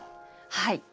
はい。